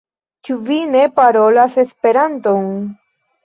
Ĉu vi ne parolas Esperanton?